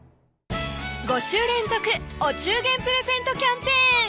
５週連続お中元プレゼントキャンペーン